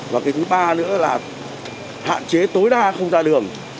và cái thứ ba nữa là hạn chế tối đa không ra đường